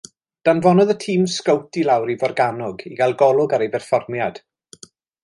Danfonodd y tîm sgowt i lawr i Forgannwg i gael golwg ar ei berfformiad.